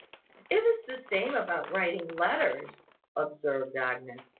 "It is the same about writing letters," observed Agnes.